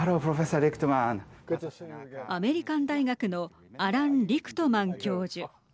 アメリカン大学のアラン・リクトマン教授。